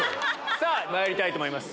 さぁまいりたいと思います